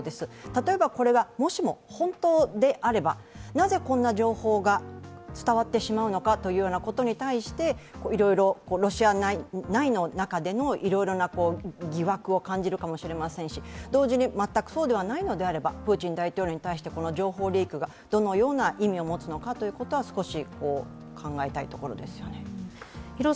例えばこれがもしも本当であればなぜこんな情報が伝わってしまうのかということに対していろいろロシア内の中でのいろいろな疑惑を感じるかもしれませんし、同時に全くそうでないのであればプーチン大統領に対して情報リークがどのような意味を持つのかということは少し考えたいところですよね。